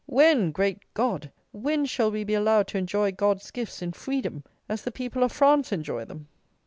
When, great God! when shall we be allowed to enjoy God's gifts, in freedom, as the people of France enjoy them?